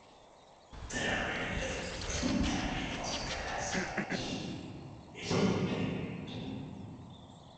There he lived with the family of classmate, Elie David.